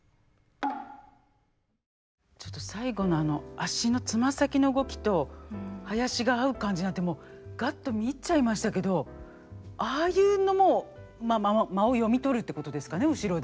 ちょっと最後の足の爪先の動きと囃子が合う感じなんてもうがっと見入っちゃいましたけどああいうのも間を読み取るってことですかね後ろで。